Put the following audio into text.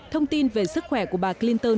thông tin về sức khỏe của bà clinton